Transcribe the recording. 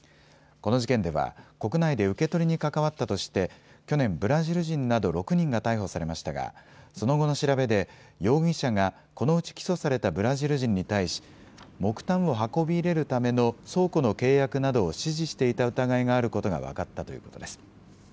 この事件では国内で受け取りに関わったとして去年、ブラジル人など６人が逮捕されましたがその後の調べで、容疑者がこのうち起訴されたブラジル人に対し木炭を運び入れるための倉庫の契約などを指示していた疑いがあることが分かったということです。